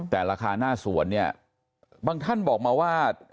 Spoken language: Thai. แต่ราคาหน้าสวนเนี่ยบางท่านบอกมาว่า